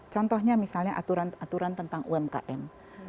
contohnya misalnya aturan aturan tentang umkm